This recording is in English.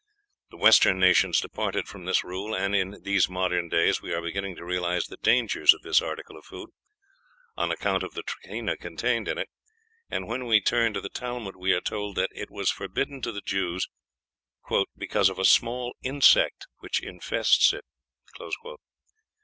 The Western nations departed from this rule, and in these modern days we are beginning to realize the dangers of this article of food, on account of the trichina contained in it; and when we turn to the Talmud, we are told that it was forbidden to the Jews, "because of a small insect which infests it."